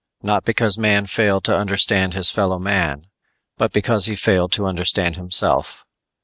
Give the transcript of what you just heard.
_ _Not because man failed to understand his fellow man, but because he failed to understand himself.